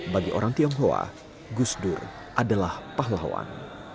bagi orang tionghoa gus dur adalah pahlawan